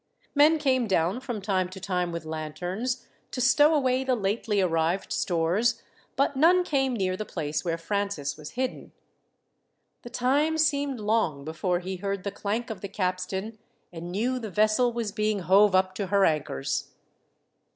Men came down from time to time with lanterns, to stow away the lately arrived stores, but none came near the place where Francis was hidden. The time seemed long before he heard the clank of the capstan, and knew the vessel was being hove up to her anchors.